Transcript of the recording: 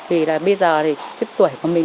vì là bây giờ thì tuổi của mình